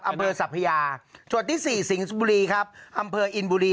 อำเภอสัพยาจุดที่๔สิงสบุรีครับอำเภออินบุรี